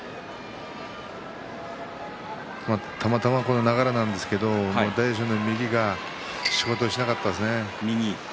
たまたま流れなんですけど大栄翔の右が仕事をしなかったですね。